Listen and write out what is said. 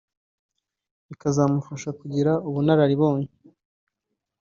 bikazamufasha kugira ubunararibonye